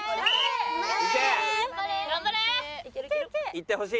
いってほしい。